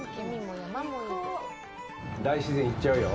大自然に行っちゃうよ！